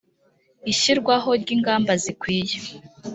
ishyirwaho ry ingamba zikwiye